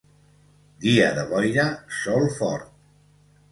Dia de boira, sol fort.